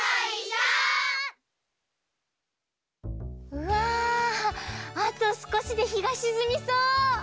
うわあとすこしでひがしずみそう！